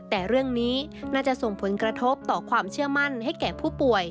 แต่เรื่องนี้น่าจะส่งผลกระทบต่อความเชื่อมั่นให้แก่ผู้ป่วย